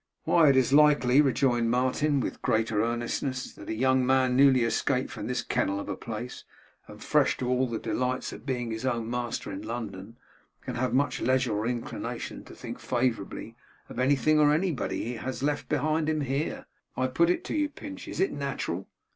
'Why, is it likely,' rejoined Martin, with greater earnestness, 'that a young man newly escaped from this kennel of a place, and fresh to all the delights of being his own master in London, can have much leisure or inclination to think favourably of anything or anybody he has left behind him here? I put it to you, Pinch, is it natural?